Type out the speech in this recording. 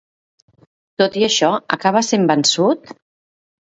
Tot i això, acaba sent vençut?